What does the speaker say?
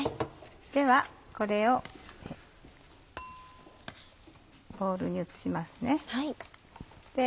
ではこれをボウルに移します。